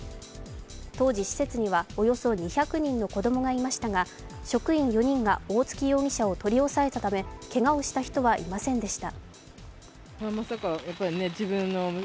当時、施設にはおよそ２００人の子供がいましたが職員４人が大槻容疑者を取り押さえたため、けがをした人はいませんでした。